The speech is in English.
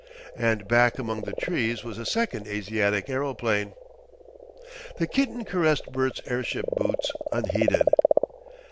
And back among the trees was a second Asiatic aeroplane.... The kitten caressed Bert's airship boots unheeded.